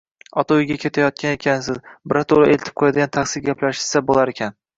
Otauyga ketayotgan ekansiz, birato‘la eltib qo‘yadigan taksi gaplashishsa bo‘larkan.